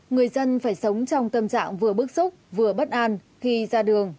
người dân phải sống trong tâm trạng vừa bức xúc vừa bất an khi ra đường